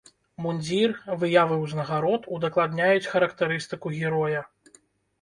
Мундзір, выявы ўзнагарод удакладняюць характарыстыку героя.